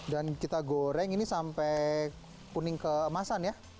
kita goreng ini sampai kuning keemasan ya